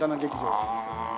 ああ！